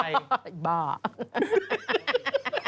เดี๋ยวหนูสั่งแโตะ